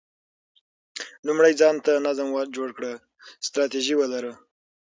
لومړی ځان ته نظم جوړ کړه، ستراتیژي ولره،